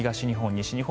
西日本